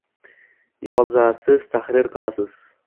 Yozasiz, tahrir qilasiz.